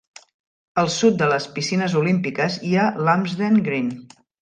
Al sud de les Piscines Olímpiques hi ha Lumsden Green.